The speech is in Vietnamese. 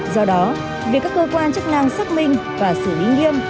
do đó việc các cơ quan chức năng xác minh và xử lý nghiêm